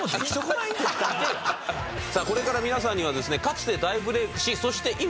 さあこれから皆さんにはですねかつて大ブレイクしそして